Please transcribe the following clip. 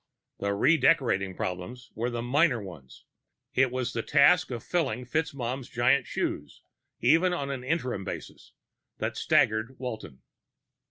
The redecorating problems were the minor ones. It was the task of filling FitzMaugham's giant shoes, even on an interim basis, that staggered Walton.